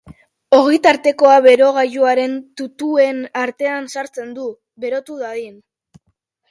Ogitartekoa berogailuaren tutuen artean sartzen du, berotu dadin.